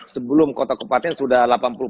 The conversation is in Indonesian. sebelum kota kopaten sudah